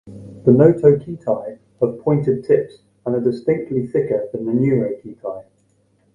The notochaetae have pointed tips and are distinctly thicker than the neurochaetae.